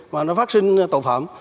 mà nó phát sinh tội phạm